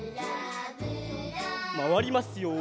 まわりますよ。